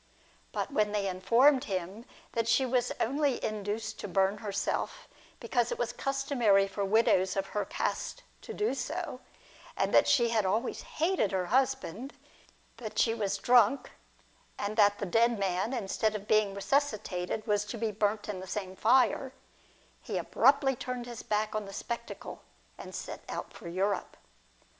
But, when they informed him that she was only induced to burn herself because it was customary for widows of her caste to do so, and that she had always hated her husband, that she was drunk, and that the dead man, instead of being resuscitated, was to be burnt in the same fire, he abruptly turned his back on the spectacle, and set out for Europe.